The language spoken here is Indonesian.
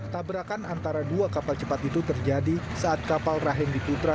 tabrakan antara dua kapal cepat itu terjadi saat kapal rahendi putra